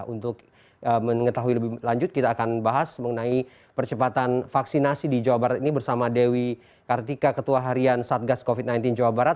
untuk mengetahui lebih lanjut kita akan bahas mengenai percepatan vaksinasi di jawa barat ini bersama dewi kartika ketua harian satgas covid sembilan belas jawa barat